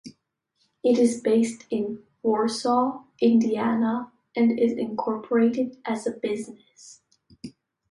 It is based in Warsaw, Indiana, and is incorporated as a business.